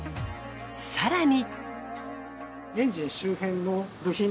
更に。